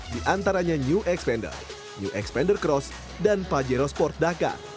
di antaranya new expander new expander cross dan pajero sport dhaka